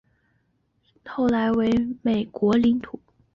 北马里亚纳群岛自由邦后来成为美国领土。